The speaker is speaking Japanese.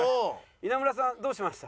稲村さんどうしました？